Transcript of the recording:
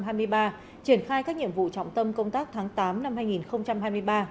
triển khai các nhiệm vụ trọng tâm công tác tháng tám năm hai nghìn hai mươi ba